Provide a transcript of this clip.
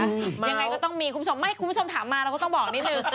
ยังไงก็ต้องมีคุณผู้ชมไม่คุณผู้ชมถามมาเราก็ต้องบอกนิดนึง